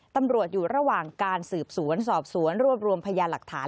ตำรวจอยู่ระหว่างการสืบสวนสอบสวนรวบรวมพยานหลักฐาน